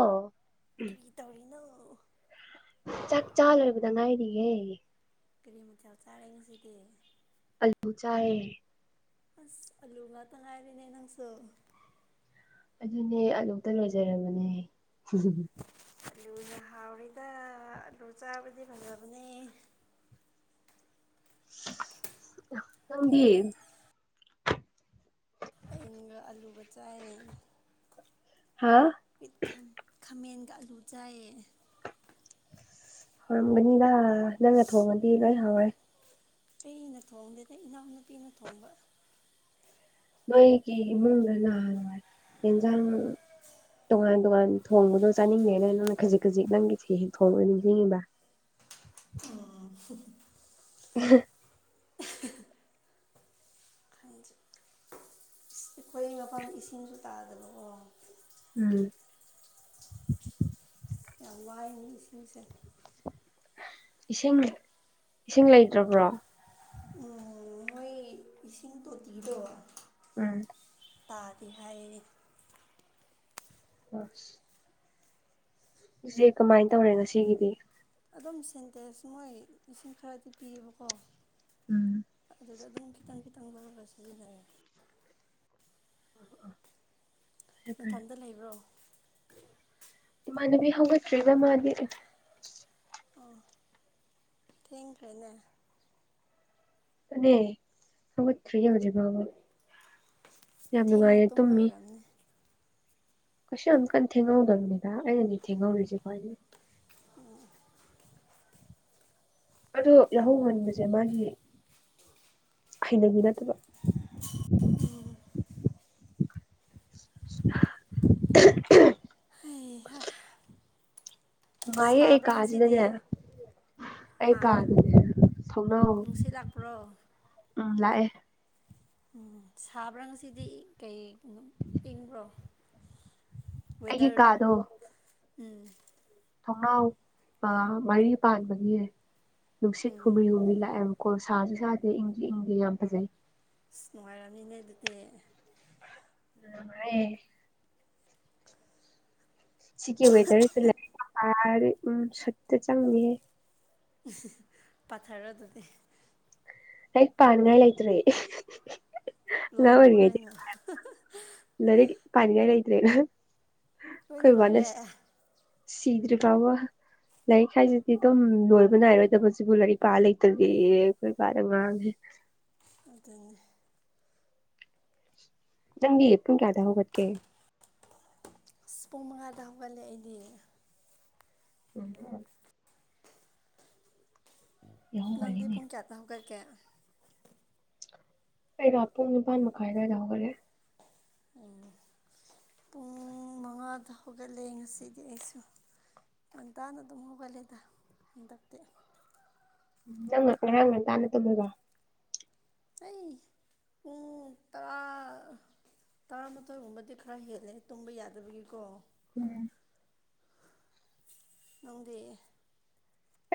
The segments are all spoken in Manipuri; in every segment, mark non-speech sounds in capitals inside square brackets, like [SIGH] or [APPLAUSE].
ꯑ ꯀꯔꯤ ꯇꯧꯔꯤꯅꯣ ꯆꯥꯛ ꯆꯥ ꯂꯣꯏꯔꯕꯗ ꯉꯥꯏꯔꯤꯌꯦꯦ ꯀꯦꯔꯤ ꯃꯆꯥ ꯆꯥꯔ ꯉꯁꯤꯗꯤ ꯑꯜꯨ ꯆꯦ ꯑꯁ ꯑꯂꯨ ꯉꯥꯛꯇ ꯉꯥꯏꯔꯤꯅꯦ ꯅꯪꯁꯨ ꯑꯗꯨꯅꯦ ꯑꯗꯨꯛꯇ ꯂꯣꯏꯖꯔꯕꯅꯦ ꯑꯂꯨꯅ ꯍꯥꯎꯔꯤꯗ ꯑꯂꯨ ꯆꯥꯕꯗꯤ ꯐꯕꯅꯦ ꯅꯪꯒꯤ ꯑꯩꯅꯒ ꯑꯂꯨꯕ ꯆꯥꯏ ꯍꯥꯥ ꯠ ꯈꯥꯃꯦꯟꯒ ꯑꯥꯂꯨ ꯆꯥꯏꯌꯦ ꯍꯧꯥꯎꯔꯝꯒꯅꯤꯅ ꯅꯪꯒ ꯊꯣꯡꯉꯗꯤ ꯂꯣꯏ ꯍꯥꯎꯔꯦ ꯑꯩꯅ ꯊꯣꯡꯗꯦꯗ ꯏꯅꯥꯎꯅꯨꯄꯤꯅ ꯊꯣꯡꯕ ꯃꯣꯏꯒꯤ ꯏꯃꯨꯡꯗ ꯅꯍꯥꯥꯟꯣꯏ ꯌꯦꯟꯖꯥꯡ ꯇꯣꯉꯥꯟ ꯇꯣꯉꯥꯟ ꯊꯣꯡꯕꯗꯣ ꯆꯥꯅꯤꯡꯉꯦꯅ ꯅꯪꯅ ꯈꯖꯤꯛ ꯈꯖꯤꯛ ꯅꯪꯒꯤ ꯊꯣꯡ ꯑꯣꯏꯅ ꯅꯤꯡꯁꯤꯡꯉꯤꯕ ꯍꯨ ꯎ ꯈꯣꯏꯣꯔꯩ ꯃꯄꯐꯝ ꯏꯁꯤꯡꯁꯨ ꯇꯥꯗꯕꯀꯣ ꯎꯝ ꯌꯥꯝ ꯋꯥꯏꯅꯦ ꯏꯁꯤꯡꯁꯦ ꯏꯁꯤꯡ ꯏꯁꯤꯡ ꯂꯩꯇ꯭ꯔꯕ꯭ꯔꯣ ꯎꯝ ꯃꯣꯏ ꯏꯁꯤꯡ ꯇꯣꯇꯤꯗꯣ ꯎꯝ ꯇꯥꯗꯦ ꯍꯥꯏꯌꯦ ꯑꯁ ꯖꯤ ꯀꯃꯥꯏꯅ ꯇꯧꯔꯦ ꯉꯁꯤꯒꯤꯗꯤ ꯑꯗꯨꯝ ꯁꯤꯟꯇꯦꯟꯁ ꯃꯣꯏ ꯏꯁꯤꯡ ꯈꯔꯗꯤ ꯄꯤꯌꯦꯕꯀꯣ ꯎꯝ ꯑꯗꯨꯗ ꯑꯗꯨ ꯑꯗꯨꯝ ꯈꯤꯇꯪ ꯈꯤꯇꯪ ꯂꯧꯔꯒꯥ ꯁꯤꯖꯤꯟꯅ ꯔꯦ ꯐꯔꯦ ꯐꯔꯦ ꯅꯊꯟꯗ ꯂꯩꯕ꯭ꯔꯣ ꯏꯃꯥꯟꯅꯕꯤ ꯍꯧꯒꯠꯇ꯭ꯔꯤꯅ ꯃꯥꯗꯤ ꯑꯥ ꯊꯦꯡꯈ꯭ꯔꯦꯅꯦ ꯅꯦ ꯍꯧꯒꯠꯇ꯭ꯔꯤꯌꯦ ꯍꯧꯖꯤꯛ ꯐꯥꯎꯕ ꯌꯥꯝ ꯊꯦꯡꯅ ꯅꯨꯡꯉꯥꯏꯌꯦ ꯇꯨꯝꯕ ꯇꯨꯝꯃꯤ ꯑꯣꯏꯔꯝꯅꯤ ꯀꯩꯁꯨ ꯌꯥꯝ ꯀꯟ ꯊꯦꯡꯍꯧꯗꯕꯅꯤꯗ ꯑꯩꯅꯅꯤ ꯊꯦꯡꯍꯧꯔꯤꯖꯦ ꯈꯋ꯭ꯥꯏꯗꯩꯩ ꯑꯣ ꯑꯗꯣ ꯌꯥꯍꯧ ꯉꯟꯕꯁꯦ ꯃꯥꯒꯤ ꯍꯩꯅꯕꯤ ꯅꯠꯇꯕ ꯎꯝ [UNINTELLIGIBLE] ꯏꯍꯥ ꯅꯨꯡꯉꯥꯏꯌꯦ ꯑꯩ ꯁꯥꯕ꯭ꯔꯥ ꯉꯁꯤꯗꯤ ꯀꯥꯁꯤꯗꯅꯦ ꯑꯩ ꯍꯥ ꯀꯥꯗꯅꯦ ꯊꯣꯡꯅꯥꯎ ꯅꯨꯡꯁꯤꯠ ꯂꯥꯛꯄ꯭ꯔꯣ ꯎꯝ ꯂꯥꯛꯑꯦ ꯎꯝ ꯁꯥꯕ꯭ꯔꯥ ꯉꯁꯤꯗꯤ ꯀꯩ ꯏꯪꯕ꯭ꯔꯣ ꯑꯩꯒꯤ ꯋꯗꯔꯗꯣ ꯀꯥꯗꯣ ꯎꯝ ꯊꯣꯡꯅꯥꯎ ꯃꯔꯤ ꯄꯥꯟꯕꯒꯤ ꯅꯨꯡꯁꯤꯠ ꯎꯝ ꯍꯨꯝꯔꯤ ꯍꯨꯝꯔꯤ ꯂꯥꯛꯑꯦꯕ ꯀꯣ ꯁꯥꯖꯨ ꯁꯥꯗꯦ ꯏꯪꯁꯨ ꯏꯪꯗꯤ ꯌꯥꯝ ꯐꯖꯩ꯫ ꯑꯁ ꯅꯨꯡꯉꯥꯏꯔꯝꯃꯤꯅꯦ ꯑꯗꯨꯗꯤ꯫ [UNINTELLIGIBLE] ꯁꯤꯒꯤ ꯋꯦꯗꯔꯖꯤꯗ ꯂꯥꯏꯔꯤꯛ ꯄꯥꯎ ꯀꯥꯏꯅꯥ ꯍꯥꯏꯔꯗꯤ ꯎꯝ ꯁꯨꯠꯇ ꯆꯪꯉꯅꯤꯍꯦ꯫ ꯄꯥꯊꯔꯣ ꯑꯗꯨꯗꯤ꯫ ꯂꯩꯏꯛ ꯄꯥꯅꯤꯉꯥꯏ ꯂꯩꯇꯔ꯭ꯦ꯫ ꯂꯣꯏꯔꯕ ꯂꯣꯏꯅ ꯂꯥꯏꯔꯤꯛ ꯄꯥꯅꯤꯡꯉꯥꯏ ꯂꯩꯇ꯭ꯔꯦꯅ ꯂꯣꯏꯅ ꯑꯩꯈꯣꯏ ꯕꯥꯅ ꯂꯣꯏꯔꯦ ꯁꯤ꯫ ꯁꯤꯗ꯭ꯔꯤꯐꯥꯎꯕ ꯂꯥꯏꯔꯤꯛ ꯍꯥꯏꯖꯤꯗꯤ ꯗꯨꯝ ꯂꯣꯏꯕ ꯅꯥꯏꯔꯣꯏꯗꯕ ꯖꯤꯕꯨ ꯂꯥꯏꯔꯤꯛ ꯄꯥ ꯂꯩꯇꯗꯤ ꯌꯦ ꯑꯩꯈꯣꯏ ꯕꯥꯅ ꯉꯥꯡꯉꯦ꯫ ꯑꯗꯨꯅꯤ ꯅꯪꯗꯤ ꯄꯨꯡ ꯀꯌꯥꯗ ꯍꯧꯒꯠꯀꯦ꯫ ꯑꯁ ꯄꯨꯡ ꯃꯉꯥꯗꯕ ꯍꯧꯒꯠꯂꯦ ꯑꯩꯗꯤ [INAUDIBLE] ꯅꯪꯗꯤ ꯌꯥꯍꯧꯉꯜꯂꯤꯅꯦ ꯄꯨꯡ ꯀꯌꯥꯇꯥ ꯍꯧꯒꯠꯀꯦ꯫ ꯑꯩꯩꯔꯣ ꯄꯨꯡ ꯅꯤꯄꯥꯟ ꯃꯈꯥꯏ ꯑꯗꯥꯢꯗ ꯍꯧꯒꯠꯂꯦ꯫ [UNINTELLIGIBLE] ꯄꯨꯡ ꯃꯉꯥꯗ ꯍꯧꯒꯠꯂꯦ ꯉꯁꯤꯗꯤ ꯑꯩꯁꯨ꯫ ꯉꯟꯇꯥꯅ ꯑꯗꯨꯝ ꯍꯧꯒꯠꯂꯦꯗ ꯍꯟꯗꯛꯇꯤ꯫ ꯅꯪ ꯉꯔꯥꯡ ꯉꯟꯇꯥꯅ ꯇꯨꯝꯃꯕ ꯑꯩ ꯄꯨꯡ ꯇꯔꯥ ꯇꯔꯥꯃꯥꯊꯣꯏꯒꯨꯝꯕꯗꯤ ꯈꯔ ꯍꯦꯜꯂꯦ ꯇꯨꯝꯕ ꯌꯥꯗꯕꯒꯤꯀꯣ ꯎꯝ ꯅꯪꯗꯤ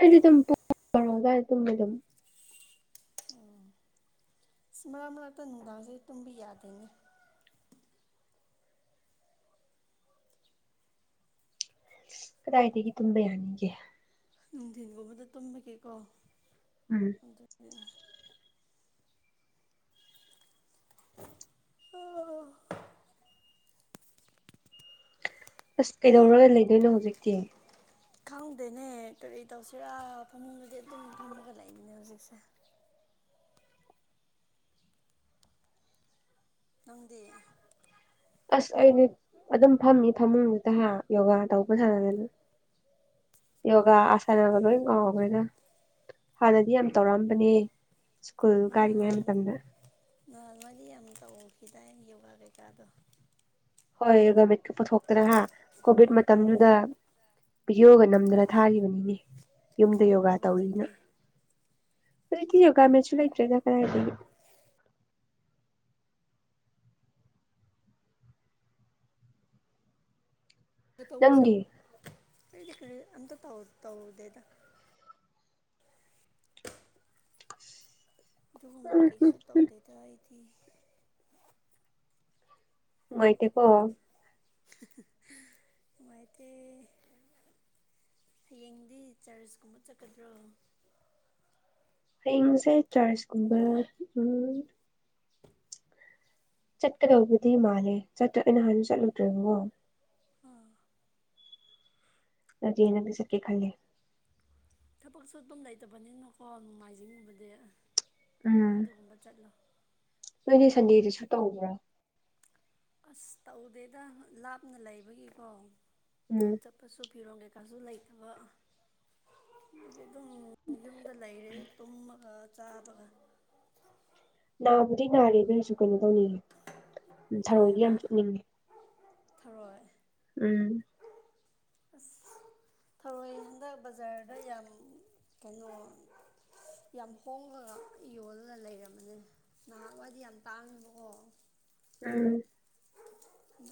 ꯑꯗꯤ ꯑꯗꯨꯝꯗ ꯑꯗꯨ [UNINTELLIGIBLE] ꯑ ꯃꯔꯛ ꯃꯔꯛꯇ ꯅꯨꯡꯗꯥꯡꯁꯦ ꯇꯨꯝꯕ ꯌꯥꯗꯦꯅꯦ꯫ ꯀꯗꯥꯏꯗꯒꯤ ꯇꯨꯝꯕ ꯌꯥꯅꯤꯒꯦ꯫ ꯅꯨꯡꯊꯤꯟꯒꯨꯝꯕꯗ ꯇꯨꯝꯕꯒꯦꯀꯣ꯫ ꯎꯝ [UNINTELLIGIBLE] ꯑꯁ ꯀꯩꯗꯧꯔꯒ ꯂꯩꯗꯣꯏꯅꯣ ꯍꯧꯖꯤꯛꯇꯤ꯫ ꯈꯪꯗꯦꯅꯦ ꯀꯔꯤ ꯇꯧꯁꯤꯔꯥ ꯐꯝꯃꯨꯡꯗꯗꯤ ꯑꯗꯨꯝ ꯐꯝꯃꯒ ꯂꯩꯕꯅꯦ ꯍꯧꯖꯤꯛꯁꯦ꯫ ꯅꯪꯗꯤ ꯑꯁ ꯑꯩꯗꯤ ꯑꯗꯨꯝ ꯐꯝꯃꯤ ꯐꯃꯨꯡꯗꯨꯗ ꯌꯣꯒꯥ ꯇꯧꯕ ꯁꯥꯟꯅꯅꯤꯅ ꯌꯣꯒꯥ ꯑꯁꯅꯒ ꯀꯉꯈꯗ ꯍꯥꯟꯅꯗꯤ ꯌꯥꯝ ꯇꯧꯔꯛꯑꯝꯕꯅꯦ ꯁ꯭ꯀꯨꯜ ꯀꯥꯔꯤꯉꯩ ꯃꯇꯝꯗ ꯉꯗꯤ ꯌꯥꯝ ꯇꯧꯎꯈꯤꯗꯥꯏ ꯌꯣꯒꯥ ꯀꯩꯀꯥꯗꯣ ꯍꯣꯏ ꯒꯠꯀ ꯄꯨꯊꯣꯛꯇꯅ ꯍꯥ ꯀꯣꯚꯤꯗ ꯎꯝ ꯃꯇꯝꯗꯨꯗ ꯕꯤꯗꯤꯑꯣꯒ ꯅꯝꯗꯅ ꯊꯥꯔꯤꯕꯅꯤꯅꯦ ꯌꯨꯝꯗ ꯌꯣꯒꯥ ꯇꯧꯗ꯭ꯔꯕꯣ ꯇꯧꯔꯤꯅ꯫ ꯍꯧꯖꯤꯛꯇꯤ ꯔꯗꯤ ꯌꯣꯒꯥ ꯃꯌꯥꯝꯁꯨ ꯂꯩꯇ꯭ꯔꯦꯖ ꯀꯔꯥꯏꯗꯒꯤ꯫ ꯇꯧꯕ ꯅꯪꯗꯤ ꯀꯗꯤ ꯀꯔꯤ ꯑꯝꯇ ꯇꯧꯔꯗꯦꯗ꯫ ꯑꯗꯨꯒꯨꯝꯕ ꯀꯩꯁꯨ ꯇꯧꯗꯦꯗ ꯑꯩꯗꯤ꯫ ꯅꯨꯡꯉꯥꯏꯇꯦ ꯀꯦ꯫ [UNINTELLIGIBLE] ꯅꯨꯡꯉꯥꯏꯇꯦ ꯍꯌꯦꯡꯗꯤ ꯆꯔꯆꯀꯨꯝꯕ ꯆꯠꯀꯗ꯭ꯔꯣ ꯍꯌꯦꯡꯁꯦ ꯆꯥꯔꯆꯀꯨꯝꯕ ꯎꯝ ꯆꯠꯀꯗꯧꯕꯗꯤ ꯃꯥꯜꯂꯦ ꯆꯠꯇ꯭ꯔ ꯑ ꯅꯍꯥꯟꯅ ꯆꯠꯂꯨꯗ꯭ꯔꯣꯏꯕꯉꯣ꯫ [UNINTELLIGIBLE] ꯁꯛꯀꯦ ꯈꯜꯂꯦ ꯊꯕꯛꯁꯨ ꯑꯗꯨꯝ ꯂꯩꯇꯕꯅꯤꯅꯀꯣ ꯅꯣꯡꯃꯥꯏꯖꯤꯡꯒꯨꯝꯕꯗꯤ ꯎꯝ ꯑꯗꯨꯒꯨꯝꯕ ꯆꯠꯂꯣ ꯅꯣꯏꯗꯤ ꯁꯟꯗꯦꯗꯁꯨ ꯇꯧꯕ꯭ꯔꯥ ꯑꯁ ꯇꯧꯗꯦꯗ ꯂꯥꯞꯅ ꯂꯩꯕꯒꯤꯀꯣ ꯑꯨꯝ ꯆꯠꯄꯁꯨ ꯐꯤꯔꯣ ꯀꯩꯀꯥꯁꯨ ꯂꯩꯇꯕ ꯑꯩꯗꯤ ꯑꯗꯨꯝ ꯌꯨꯝꯗ ꯂꯩꯔꯦ ꯇꯨꯝꯃꯒ ꯆꯥꯕꯒ ꯅꯥꯕꯨꯗꯤ ꯅꯥꯔꯦ ꯑꯗꯨ ꯑꯣꯏꯔꯁꯨ ꯀꯩꯅꯣ ꯇꯧꯅꯤꯡꯉꯦ ꯎꯝ ꯀꯩ ꯊꯔꯣꯏꯗꯤ ꯍꯥꯏꯕ ꯌꯥꯝ ꯆꯨꯞꯅꯤꯡꯉꯦ ꯊꯔꯣꯏ ꯑꯨꯝ ꯑꯁ ꯊꯔꯣꯏ ꯍꯗꯛ ꯕꯖꯥꯔꯗ ꯌꯥꯝ ꯀꯩꯅꯣ ꯌꯥꯝ ꯍꯣꯉꯒ ꯌꯣꯜꯂꯒ ꯂꯩꯔꯝꯕꯅꯦ ꯅꯍꯥꯜꯋꯥꯏꯗꯤ ꯌꯥꯝ ꯇꯥꯡꯉꯤꯕꯀꯣ ꯑꯨꯝ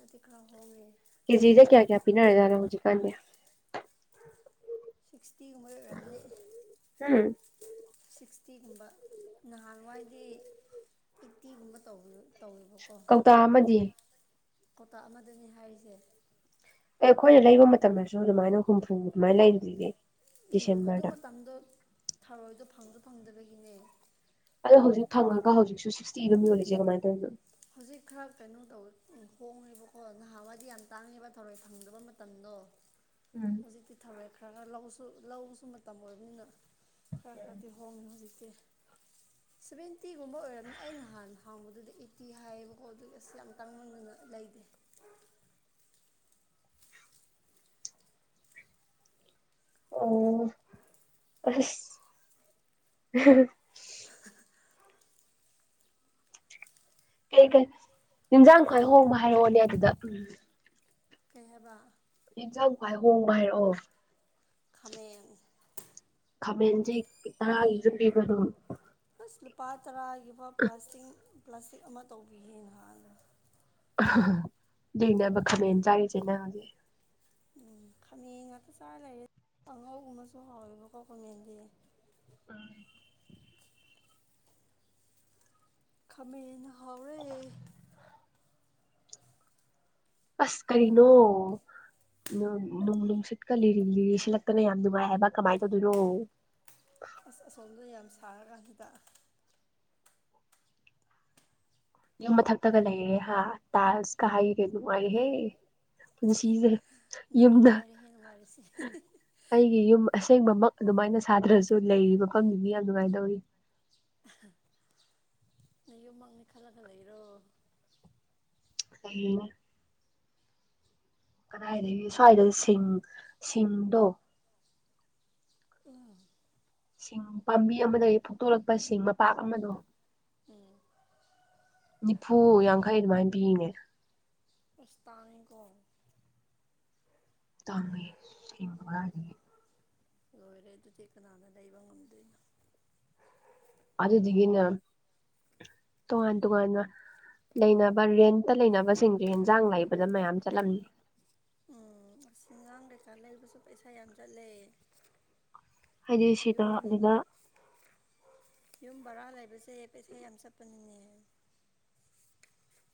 ꯑꯗꯤ ꯈꯔ ꯍꯣꯉꯦ ꯀꯦꯖꯤꯁꯦ ꯀꯌꯥ ꯀꯌꯥ ꯄꯤꯅꯔꯤꯖꯥꯅꯣ ꯍꯧꯖꯤꯛꯀꯥꯟꯗꯤ ꯁꯤꯛ꯭ꯁꯇꯤꯒꯨꯝꯕ ꯑꯣꯏꯔꯝꯅꯤ ꯎꯝ ꯁꯤꯛ꯭ꯁꯇꯤꯒꯨꯝꯕ ꯅꯍꯥꯟꯋꯥꯏꯗꯤ ꯐꯤꯞꯇꯤꯒꯨꯝꯕ ꯇꯧꯕꯅꯤ ꯇꯧꯋꯦꯕꯀꯣ ꯀꯧꯇꯥ ꯑꯃꯗꯤ ꯀꯧꯇꯥꯥꯛ ꯑꯃꯗꯅꯦ ꯍꯥꯏꯔꯤꯁꯦ ꯑꯦ ꯑꯩꯈꯣꯏꯅ ꯂꯩꯕ ꯃꯇꯝꯗꯁꯨ ꯑꯗꯨꯃꯥꯏꯅ ꯍꯨꯝꯐꯨ ꯑꯗꯨꯃꯥꯏꯅ ꯂꯩꯔꯤꯗꯨꯗꯤ ꯑꯨꯝ ꯑꯗꯨ ꯃꯇꯝꯗꯣ ꯊꯥꯔꯣꯏꯗꯣ ꯐꯪꯗꯣ ꯐꯪꯗꯕꯒꯤꯅꯦ ꯑꯗꯣ ꯍꯧꯖꯤꯛ ꯐꯪꯉꯒ ꯍꯧꯖꯤꯛꯁꯨ ꯁꯤꯛ꯭ꯁꯇꯤ ꯑꯗꯨꯝ ꯌꯣꯜꯂꯤꯁꯦ ꯀꯃꯥꯏꯅ ꯇꯧꯔꯤꯅꯣ ꯍꯧꯖꯤꯛ ꯈꯔ ꯀꯩꯅꯣ ꯇꯧꯋꯦ ꯍꯣꯡꯉꯦꯕꯀꯣ ꯅꯍꯥꯟꯋꯥꯏꯗꯤ ꯌꯥꯝ ꯇꯥꯡꯉꯦꯕ ꯊꯔꯣꯏ ꯐꯪꯗꯕ ꯃꯇꯝꯗꯣ [UNINTELLIGIBLE] ꯑꯨꯝ ꯍꯧꯖꯤꯛꯇꯤ ꯊꯔꯣꯏ ꯈꯔ ꯈꯔ ꯂꯧꯁꯨ ꯂꯧꯁꯨ ꯃꯇꯝ ꯑꯣꯏꯕꯅꯤꯅ ꯈꯔ ꯈꯔꯗꯤ ꯍꯣꯡꯉꯦ ꯍꯧꯖꯤꯛꯇꯤ ꯁꯚꯦꯟꯇꯤꯒꯨꯝꯕ ꯑꯣꯏꯔꯕꯝꯅꯤ ꯑꯩꯅ ꯍꯥꯟꯅ ꯍꯪꯕꯗꯨꯗꯤ [UNINTELLIGIBLE] ꯍꯥꯏꯌꯦꯕꯀꯣ ꯑꯗꯨꯒꯤ ꯑꯁ ꯌꯥꯝ ꯇꯥꯡꯃꯟꯗꯅ ꯂꯩꯗꯦ꯫ ꯑꯣ ꯑꯁ [UNINTELLIGIBLE] ꯀꯩ ꯀꯩ ꯏꯤꯟꯖꯥꯡ ꯈꯨꯋꯥꯏ ꯍꯣꯡꯕ ꯍꯥꯏꯔꯛꯑꯣꯅꯦ ꯑꯗꯨꯗ ꯀꯩ ꯍꯥꯏꯕ ꯏꯤꯟꯁꯥꯥꯡ ꯈꯨꯋꯥꯏ ꯍꯣꯡ ꯍꯥꯏꯔꯛꯑꯣ ꯈꯥꯃꯦꯟ ꯈꯥꯃꯦꯟꯖꯦ ꯍꯦꯛ ꯇꯔꯥꯒꯤꯖꯨ ꯄꯤꯕꯗꯣ ꯑꯁ ꯂꯨꯄꯥ ꯇꯔꯥꯒꯤꯐꯥꯎ ꯄ꯭ꯂꯥꯁꯇꯤꯡ ꯄ꯭ꯂꯥꯁꯇꯤꯛ ꯑꯃ ꯇꯧꯕꯤꯌꯦ ꯉꯍꯥꯟ ꯑꯗꯨꯏꯅꯦꯕ ꯈꯥꯃꯦꯟ ꯆꯥꯔꯤꯁꯦ ꯅꯪ ꯍꯧꯖꯤꯛ ꯑꯨꯝ ꯈꯥꯃꯦꯟ ꯉꯥꯛꯇ ꯆꯥ ꯂꯩꯔꯦ ꯀꯥꯡꯉꯧ ꯒꯨꯝꯕꯁꯨ ꯍꯥꯎꯋꯦꯕꯀꯣ ꯈꯃꯦꯟꯗꯤ꯫ ꯈꯥꯃꯦꯟꯅ ꯍꯥꯎꯔꯦ ꯑꯁ ꯀꯔꯤꯅꯣ ꯅꯨꯡ ꯅꯨꯡꯁꯤꯠꯀ ꯂꯤꯔꯤ ꯂꯤꯔꯤ ꯁꯤꯠꯂꯛꯇꯅ ꯌꯥꯝ ꯅꯨꯡꯉꯥꯏ ꯍꯥꯏꯕ ꯀꯃꯥꯏꯟ ꯇꯧꯗꯣꯏꯅꯣ ꯑꯁ ꯑꯁꯣꯝꯗ ꯌꯥꯝ ꯁꯥꯔꯀꯥꯟꯁꯤꯗ ꯌꯨꯝ ꯃꯊꯛꯇꯒ ꯂꯩꯔꯦ ꯍꯥ ꯇꯥꯏꯜꯁ ꯀ ꯍꯩꯔꯦ ꯅꯨꯡꯉꯥꯏꯔꯦꯍꯦ ꯄꯨꯟꯁꯤꯁꯦ ꯅꯪ ꯌꯨꯝꯗ ꯃꯉꯥꯏꯔꯦꯍꯦ ꯅꯨꯡꯉꯥꯏꯔꯤꯁꯦ ꯑꯩꯒꯤ ꯌꯨꯝ ꯑꯁꯦꯡꯕꯃꯛ ꯑꯗꯨꯃꯥꯏꯅ ꯁꯥꯇ꯭ꯔꯁꯨ ꯂꯩꯔꯤ ꯃꯐꯝꯗꯨꯗꯤ ꯌꯥꯝ ꯅꯨꯡꯉꯥꯏꯗꯧꯔꯤ ꯅ ꯌꯨꯝꯃꯛꯅꯤ ꯈꯜꯂꯒ ꯂꯩꯔꯣ ꯂꯩꯔꯤꯅꯦ ꯀꯗꯥꯏꯗꯒꯤ ꯁ꯭ꯋꯥꯏꯗ ꯁꯤꯡ ꯁꯤꯡꯗꯣ ꯑꯨꯝ ꯁꯤꯡ ꯄꯥꯝꯕꯤ ꯑꯃꯗꯒꯤ ꯐꯨꯛꯇꯣꯔꯛꯄ ꯁꯤꯡ ꯃꯄꯥꯛ ꯑꯃꯗꯣ ꯑꯨꯝ ꯅꯤꯐꯨ ꯌꯥꯡꯈꯩ ꯑꯗꯨꯃꯥꯏꯅ ꯄꯤꯌꯦꯅꯦ꯫ ꯑꯁ ꯇꯥꯡꯉꯤꯀꯣ꯫ ꯇꯥꯡꯉꯦ ꯔꯦꯟꯠꯀꯤ ꯕꯥꯔꯅ [UNINTELLIGIBLE] ꯂꯣꯏꯔꯦ ꯑꯗꯨꯗꯤ ꯀꯅꯥꯅ ꯂꯩꯕ ꯉꯝꯗꯣꯏꯅꯣ꯫ ꯑꯗꯨꯗꯒꯤꯅ ꯇꯣꯉꯥꯟ ꯇꯣꯉꯥꯟꯅ꯫ ꯂꯩꯅꯕ ꯔꯦꯟꯇ ꯂꯩꯅꯕꯁꯤꯡꯁꯦ ꯍꯟꯖꯥꯡ ꯂꯩꯕꯗ ꯃꯌꯥꯝ ꯆꯠꯂꯝꯅꯤ꯫ ꯎꯝ ꯑꯁ ꯌꯦꯟꯖꯡ ꯀꯩꯀ ꯂꯩꯕꯁꯨ ꯄꯩꯁꯥ ꯌꯥꯝ ꯆꯠꯂꯦ꯫ ꯍꯥꯏꯗꯤ ꯁꯤꯗ ꯌꯨꯝ꯫ ꯑꯗꯨꯗ ꯌꯨꯝ ꯕꯔꯥ ꯂꯩꯕꯁꯦ ꯄꯩꯁꯥ ꯌꯥꯝ ꯆꯠꯄꯅꯤꯅꯦ꯫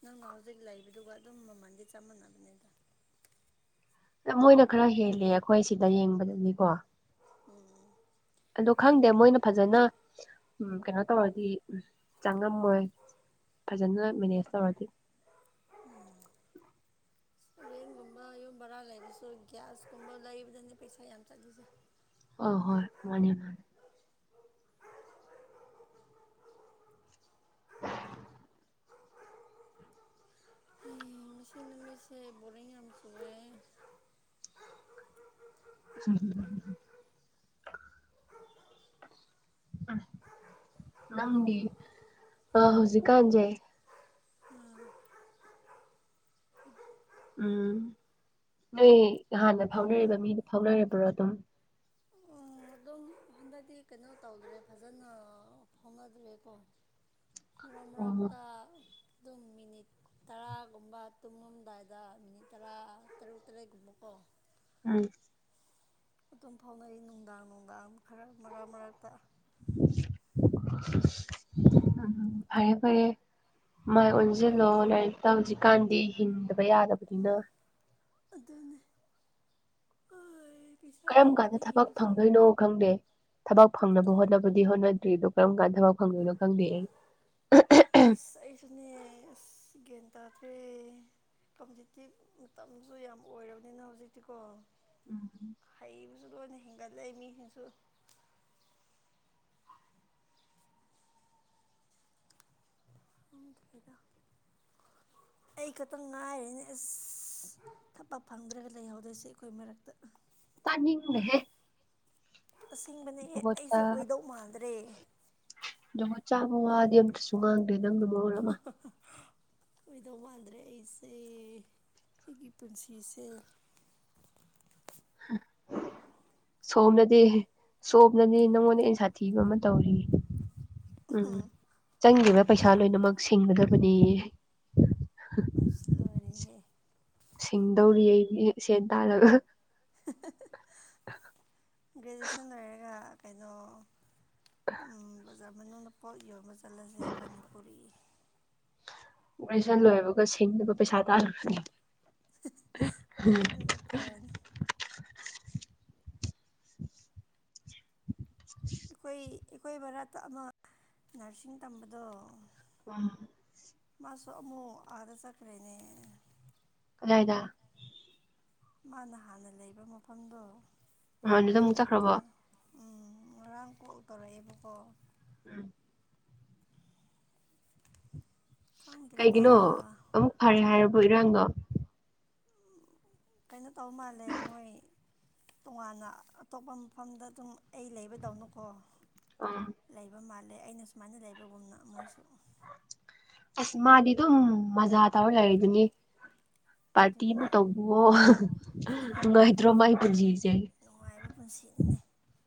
ꯅꯪꯅ ꯍꯧꯖꯤꯛ ꯂꯩꯕꯗꯨꯒ ꯑꯗꯨꯝ ꯃꯃꯟꯗꯤ ꯫ꯆꯞ ꯃꯥꯟꯅꯕꯅꯤꯗꯠ꯫ ꯃꯣꯏꯅ ꯈꯔ ꯍꯦꯜꯂꯦ ꯑꯩꯈꯣꯏ ꯁꯤꯗ ꯌꯦꯡꯕꯗꯗꯤꯀꯣ꯫ ꯎꯝ꯫ ꯑꯗꯣ ꯈꯪꯗꯦ ꯃꯣꯏꯅ ꯐꯖꯅ ꯎꯝ ꯀꯩꯅꯣ ꯇꯧꯔꯗꯤ ꯎ ꯆꯪꯉꯝꯃꯣꯏ꯫ ꯐꯖꯅ ꯃꯦꯅꯦꯖ ꯇꯧꯔꯗꯤ꯫ ꯅꯌꯨꯝ ꯕꯔꯥ ꯂꯩꯕꯁꯨ ꯒ꯭ꯌꯥꯁꯀꯨꯝꯕ ꯂꯩꯕꯗꯅꯦ ꯄꯩꯁꯥ ꯌꯥꯝ ꯆꯠꯂꯤꯁꯦ꯫ ꯑ ꯍꯣꯏ ꯃꯥꯅꯦ ꯃꯥꯅꯦ꯫ ꯃꯤꯁꯦ ꯕꯣꯔꯔꯤꯡ ꯌꯥꯝ ꯆꯨꯔꯦ꯫ [UNINTELLIGIBLE] ꯎꯝ ꯅꯪꯒꯗꯤ ꯑ ꯍꯧꯖꯤꯛꯀꯥꯟꯁꯦ꯫ ꯎꯝ꯫ ꯎꯝ ꯅꯣꯏ ꯍꯥꯟꯅ ꯐꯥꯎꯅꯔꯤꯕ ꯃꯤꯗꯨ ꯐꯥꯎꯅꯔꯤꯕ꯭ꯔꯣ ꯑꯗꯨꯝ꯫ ꯐꯥꯎꯅꯗꯦ ꯀꯩꯅꯣ ꯇꯧꯗ꯭ꯔꯦ ꯐꯖꯅ ꯐꯥꯎꯅꯗ꯭ꯔꯦꯀꯣ꯫ ꯃꯔꯛ ꯑꯣ ꯃꯔꯛꯇ ꯑꯗꯨꯝ ꯃꯤꯅꯤꯠ꯫ ꯇꯔꯥꯒꯨꯝꯕ ꯇꯨꯡꯉꯝꯗꯥꯏꯗ ꯃꯤꯅꯤꯠ ꯇꯔꯥ ꯇꯔꯨꯛ ꯇꯔꯦꯠꯀꯨꯝꯕꯀꯣ꯫ ꯎꯝ꯫꯫ ꯑꯗꯨꯝ ꯐꯥꯎꯅꯩ ꯅꯨꯡꯗꯥꯡ ꯅꯨꯡꯗꯥꯡ ꯈꯔ ꯃꯔꯛ ꯃꯔꯛꯇ꯫ ꯐꯔꯦ ꯐꯔꯦ ꯃꯥꯏ ꯑꯣꯟꯁꯤꯜꯂꯣ ꯂꯔꯤꯛꯇ ꯍꯧꯖꯤꯛꯀꯥꯟꯗꯤ ꯍꯤꯡꯗꯕ ꯌꯥꯗꯕꯅꯤꯅ ꯑꯗꯨꯅꯦ ꯀꯔꯝ ꯀꯥꯟꯗ ꯌꯥꯎꯗ꯭ꯔꯗꯤ ꯊꯕꯛ ꯍꯤꯡꯕꯁꯨ ꯌꯥꯔꯣꯏ ꯐꯪꯗꯣꯏꯅꯣ ꯈꯪꯗꯦ ꯊꯕꯛ ꯐꯪꯅꯕ ꯍꯣꯠꯅꯕꯗꯤ ꯍꯣꯠꯅꯗ꯭ꯔꯤꯗꯣ ꯀꯔꯝ ꯀꯥꯟꯗ ꯊꯕꯛ ꯐꯪꯗꯣꯏꯅꯣ ꯈꯪꯗꯦ ꯑꯩ ꯏꯁꯅꯤ ꯀꯦꯟꯗꯥ ꯐ ꯀꯝꯖꯤꯇꯤ ꯃꯇꯝꯁꯨ ꯌꯥꯝ ꯑꯣꯏꯔꯕꯅꯤꯅ ꯍꯧꯖꯤꯛꯇꯤꯀꯣ ꯎꯝ ꯍꯩꯕꯁꯨ ꯂꯣꯏꯅ ꯍꯦꯟꯒꯠꯂ ꯃꯤꯁꯤꯡꯁꯨ ꯑꯗꯨ ꯂꯩꯗ ꯑꯩ ꯈꯛꯇꯪ ꯉꯥꯏꯔꯦꯅꯦ ꯑꯁ ꯊꯕꯛ ꯐꯪꯗ꯭ꯔꯒ ꯂꯩꯍꯧꯗꯣꯏꯁꯦ ꯑꯩꯈꯣꯏ ꯃꯔꯛꯇ ꯇꯅꯤꯍꯦ ꯑꯁꯦꯡꯕꯅꯦ ꯑꯩꯁꯦ ꯑꯣꯏꯗꯧ ꯃꯥꯟꯗ꯭ꯔꯦ ꯑꯗꯨꯒ ꯆꯥꯕ ꯋꯥꯗꯤ ꯑꯃꯝꯇꯁꯨ ꯉꯥꯡꯗꯦ ꯅꯪ [INAUDIBLE] ꯀꯗꯧ ꯃꯥꯟꯗ꯭ꯔꯦ ꯑꯩꯁꯦ ꯑꯩꯒꯤ ꯄꯨꯟꯁꯤꯁꯦ [INAUDIBLE] ꯁꯣꯝꯅꯗꯤ ꯁꯣꯝꯅꯅꯦ ꯅꯪꯉꯣꯟꯗ ꯑ ꯁꯥꯊꯤꯕ ꯑꯃ ꯇꯧꯔꯤ ꯎꯝ ꯆꯪꯔꯤꯕ ꯄꯩꯁꯥ ꯂꯣꯏꯅꯃꯛ ꯁꯤꯡꯒꯗꯕꯅꯤ ꯑꯁꯂꯔꯤꯍꯦ ꯁꯤꯡꯗꯧꯔꯤ ꯑꯩꯗꯤ ꯁꯦꯟ ꯇꯥꯔꯒ ꯍ ꯒ꯭ꯔꯦꯖꯨꯁꯟ ꯂꯣꯏꯔꯒ ꯀꯩꯅꯣ ꯑꯣꯖꯥ ꯃꯅꯨꯡꯗ ꯄꯣꯠ ꯌꯣꯟꯕ ꯆꯠꯂꯁꯦ ꯃꯅꯤꯄꯨꯔꯤ ꯒ꯭ꯔꯦꯖꯟ ꯂꯣꯏꯕꯒ ꯁꯤꯡꯅꯕ ꯄꯩꯁꯥ ꯇꯥ ꯑꯗꯨꯅ ꯐꯔꯅꯤ ꯑꯩꯈꯣꯏ ꯑꯩꯈꯣꯏ ꯃꯥꯔꯛꯇ ꯑꯃ ꯅꯔꯁꯤꯡ ꯇꯝꯕꯗꯣ ꯀꯣꯟ [INAUDIBLE] ꯃꯥꯁꯨ ꯑꯃꯨꯛ ꯑꯥꯗ ꯆꯠꯈ꯭ꯔꯦꯅꯦ ꯀꯗꯥꯢꯗ ꯃꯥꯅ ꯍꯥꯟꯅ ꯂꯩꯕ ꯃꯐꯝꯗꯣ ꯅꯍꯥꯟꯗꯨꯗ ꯑꯃꯨꯛ ꯑꯗꯨꯗ ꯆꯠꯈ꯭ꯔꯕꯣ ꯎꯝ ꯉꯔꯥꯡ ꯒꯣꯜ ꯇꯧꯔꯛꯑꯦꯕꯀꯣ ꯎꯝ ꯈꯪꯗ꯭ꯔꯦꯗ ꯀꯩꯒꯤꯅꯣ ꯑꯃꯨꯛ ꯐꯔꯦ ꯍꯥꯏꯔꯕꯣ ꯏꯔꯥꯡꯗꯣ ꯀꯩꯅꯣ ꯇꯧ ꯃꯥꯜꯂꯦ ꯃꯣꯏ ꯇꯣꯉꯥꯟꯅ ꯑꯇꯣꯞꯄ ꯃꯐꯝꯗ ꯑꯗꯨꯝ ꯑꯩ ꯂꯩꯕꯗꯧꯅꯀꯣ ꯑꯥ ꯂꯩꯕ ꯃꯥꯜꯂꯦ ꯑꯩꯅ ꯁꯨꯃꯥꯏꯅ ꯂꯩꯕꯒꯨꯝꯅ ꯃꯣꯏꯁꯨ ꯑꯁ ꯃꯥꯗꯤ ꯑꯗꯨꯝ ꯃꯖꯥ ꯇꯧꯔ ꯂꯩꯔꯤꯗꯨꯅꯤ ꯄꯥꯔꯇꯤ ꯑꯗꯨꯅ ꯑꯃꯧꯕꯣ ꯅꯨꯡꯉꯥꯏꯇ꯭ꯔꯣ ꯃꯥꯏ ꯄꯨꯟꯁꯤꯁꯦ ꯅꯨꯡꯉꯥꯏꯕ ꯄꯨꯟꯁꯤ ꯑꯃꯅꯤꯅꯦ